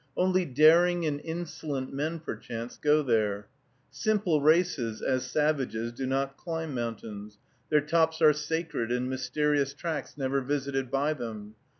Only daring and insolent men, perchance, go there. Simple races, as savages, do not climb mountains, their tops are sacred and mysterious tracts never visited by them.